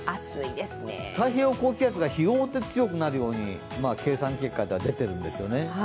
太平洋高気圧が日を追って強くなるように計算結果では出ているんですね。